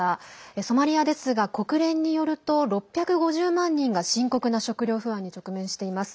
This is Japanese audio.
ソマリアですが、国連によると６５０万人が深刻な食料不安に直面しています。